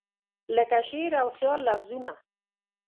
لکه شعر او خیال لفظونه